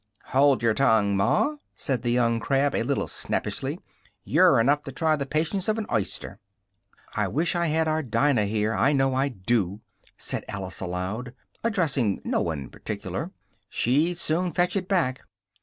"Hold your tongue, Ma!" said the young Crab, a little snappishly, "you're enough to try the patience of an oyster!" "I wish I had our Dinah here, I know I do!" said Alice aloud, addressing no one in particular, "she'd soon fetch it back!"